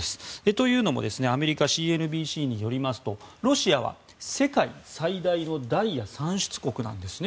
というのも、アメリカＣＮＢＣによりますとロシアは世界最大のダイヤ産出国なんです。